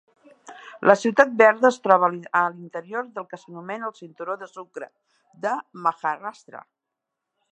La ciutat verda es troba a l'interior del que s'anomena el "Cinturó de Sucre" de Maharashtra.